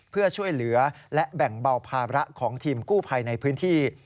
เพื่อช่วยเหลือและแบ่งเบาภาระของทีมกู้ภัยในพื้นที่